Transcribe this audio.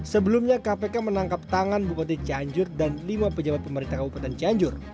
sebelumnya kpk menangkap tangan bupati cianjur dan lima pejabat pemerintah kabupaten cianjur